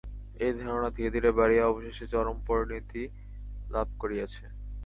এই ধারণা ধীরে ধীরে বাড়িয়া অবশেষে চরম পরিণতি লাভ করিয়াছে।